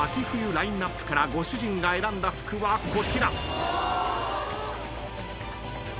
冬ラインアップからご主人が選んだ服はこちら。